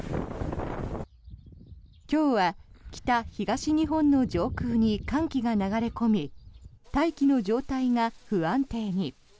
今日は北・東日本の上空に寒気が流れ込み大気の状態が不安定に。